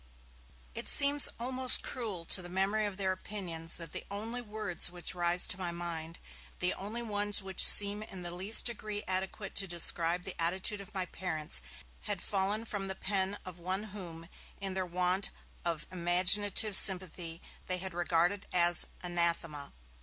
It seems almost cruel to the memory of their opinions that the only words which rise to my mind, the only ones which seem in the least degree adequate to describe the attitude of my parents, had fallen from the pen of one whom, in their want of imaginative sympathy, they had regarded as anathema.